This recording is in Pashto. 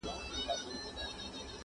د زلمیو پاڅېدلو په اوږو کي-